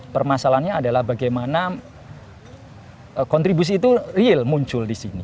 permasalahannya adalah bagaimana kontribusi itu real muncul di sini